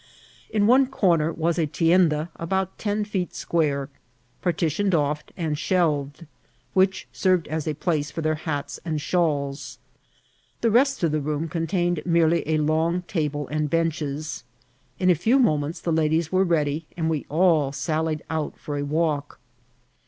In cme comer was a tienda about ten feet square, partitioned off and shelved, which served as a place for their hats and shawls. The rest of Ae room contained merely a long table and benches. In a few moments the ladies were ready, and we all sallied out for a walk.